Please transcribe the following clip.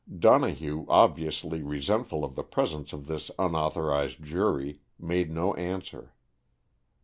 Donohue, obviously resentful of the presence of this unauthorized jury, made no answer.